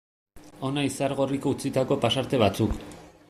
Hona Izargorrik utzitako pasarte batzuk.